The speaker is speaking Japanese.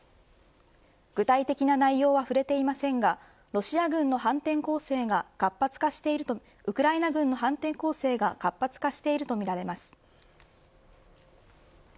具体的な内容は触れていませんがロシア軍の反転攻勢がウクライナ軍の反転攻勢が活発化しているとみられます。